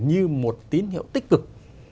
như một tín hiệu tích cực